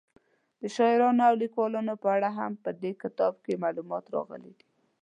د شاعرانو او لیکوالو په اړه هم په دې کتاب کې معلومات راغلي دي.